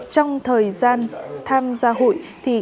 trong thời gian tham gia hụi